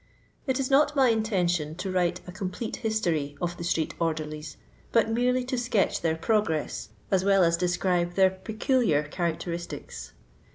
It is not my intention to write a complete his tory of the street orderlies, but merely to sketch their progress, as well as describe their peculiar characteristics.